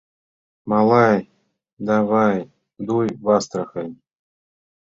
— Малай, давай дуй в Астрахань!